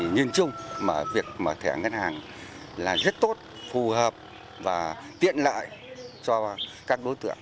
nhìn chung việc mở thẻ ngân hàng là rất tốt phù hợp và tiện lợi cho các đối tượng